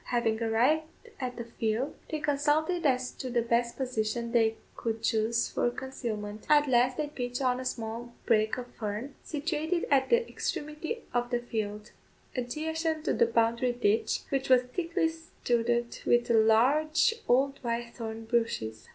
Having arrived at the field, they consulted as to the best position they could chose for concealment. At last they pitched on a small brake of fern, situated at the extremity of the field, adjacent to the boundary ditch, which was thickly studded with large, old white thorn bushes.